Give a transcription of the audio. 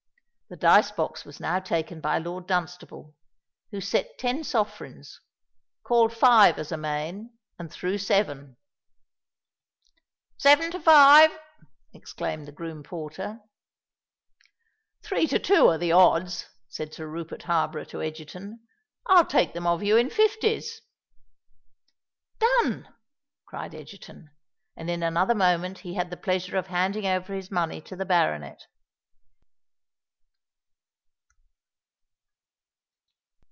The dice box was now taken by Lord Dunstable, who set ten sovereigns, called "five" as a main, and threw seven. "Seven to five!" exclaimed the groom porter. "Three to two are the odds," said Sir Rupert Harborough to Egerton: "I'll take them of you in fifties?" "Done," cried Egerton; and in another moment he had the pleasure of handing over his money to the baronet.